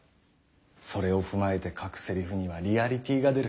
それを踏まえて書くセリフには「リアリティ」が出る。